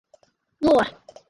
Law.